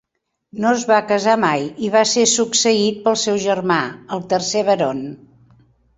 No es va casar mai i va ser succeït pel seu germà, el tercer Baron.